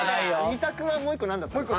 ２択はもう１個何だったの？